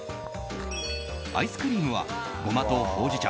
アイスクリームはゴマとほうじ茶